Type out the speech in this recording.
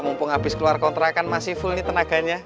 mumpung habis keluar kontrakan masih full nih tenaganya